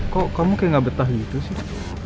kok kamu kayak gak betah gitu sih